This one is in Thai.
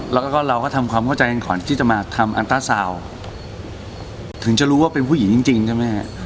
แล้วก็เราก็ทำความเข้าใจกันก่อนที่จะมาทำอันต้าสาวถึงจะรู้ว่าเป็นผู้หญิงจริงใช่ไหมฮะ